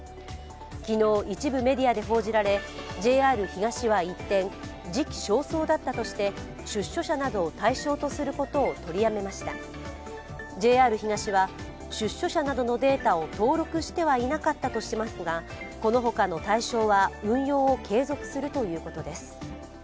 昨日、一部メディアで報じられＪＲ東は一転時期尚早だったとして出所者などを対象とすることを取りやめました、ＪＲ東は出所者などのデータを登録してはいなかったとしていますが、この他の対象は運用を継続するということです。